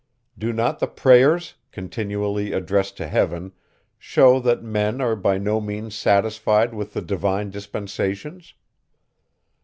Do not the prayers, continually addressed to heaven, shew, that men are by no means satisfied with the divine dispensations?